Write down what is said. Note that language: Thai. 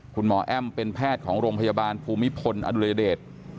แอ้มเป็นแพทย์ของโรงพยาบาลภูมิพลอดุลยเดช